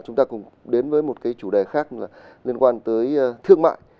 chúng ta cùng đến với một cái chủ đề khác liên quan tới thương mại